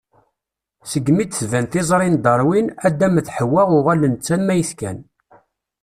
Segmi d-tban tiẓri n Darwin, Adem d Ḥewwa uɣalen d tamayt kan.